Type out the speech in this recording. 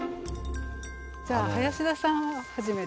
じゃあ林田さんは初めて？